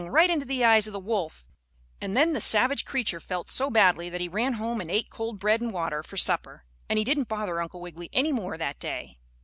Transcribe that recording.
right into the eyes of the wolf, and then the savage creature felt so badly that he ran home and ate cold bread and water for supper, and he didn't bother Uncle Wiggily any more that day.